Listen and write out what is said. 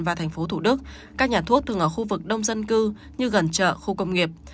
và thành phố thủ đức các nhà thuốc thường ở khu vực đông dân cư như gần chợ khu công nghiệp